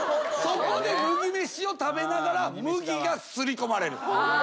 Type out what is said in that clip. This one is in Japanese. そこで麦めしを食べながら「ムギ」がすり込まれる。